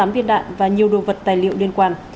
tám viên đạn và nhiều đồ vật tài liệu liên quan